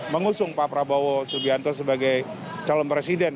mengusung pak prabowo subianto sebagai calon presiden